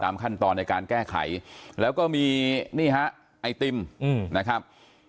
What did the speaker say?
ขั้นตอนในการแก้ไขแล้วก็มีนี่ฮะไอติมนะครับ